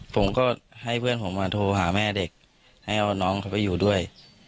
ผมก็ให้เพื่อนผมมาโทรหาแม่เด็กให้เอาน้องเขาไปอยู่ด้วย